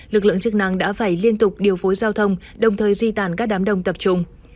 lực lượng chức năng đã phải liên tục điều phối giao thông đồng thời di tản các đám đông tập trung